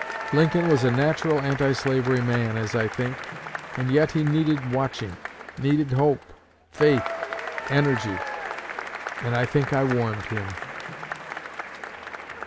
Lincoln was a natural anti slavery man, as I think, and yet he needed watching, needed hope, faith, energy; and I think I warmed him."